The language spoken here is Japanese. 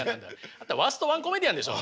あんたワーストワンコメディアンでしょ。